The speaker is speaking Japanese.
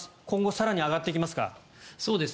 今後更に上がっていきますか。